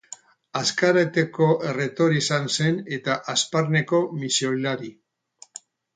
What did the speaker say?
Azkarateko erretore izan zen, eta Hazparneko misiolari.